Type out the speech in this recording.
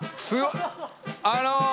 あの。